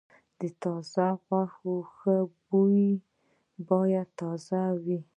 د تازه غوښې بوی باید تازه وي.